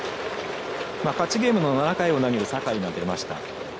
勝ちゲームの７回を投げる酒居が出ました。